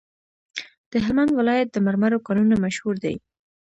د هلمند ولایت د مرمرو کانونه مشهور دي؟